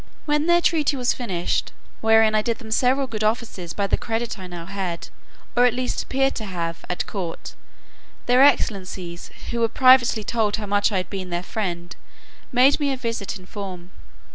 When their treaty was finished, wherein I did them several good offices by the credit I now had, or at least appeared to have, at court, their excellencies, who were privately told how much I had been their friend, made me a visit in form.